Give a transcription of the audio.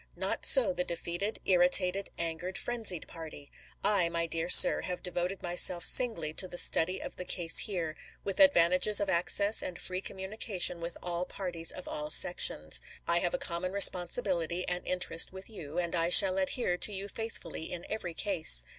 Not so the defeated, irritated, angered, frenzied party. I, my dear sir, have devoted myself singly to the study of the case here — with advantages of access and free commu nication with all parties of all sections. I have a common responsibility and interest with you, and I shall adhere to you faithfully in every case.